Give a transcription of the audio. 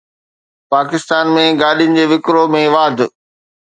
پاڪستان ۾ گاڏين جي وڪرو ۾ واڌ